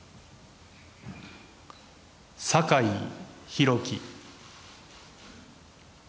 酒井宏樹。